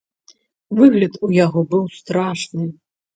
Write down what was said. Выгляд у яго быў страшны.